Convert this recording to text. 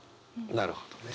なるほどね。